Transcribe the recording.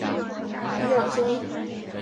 库菲人口变化图示